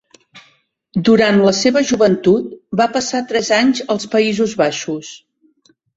Durant la seva joventut, va passar tres anys als Països Baixos.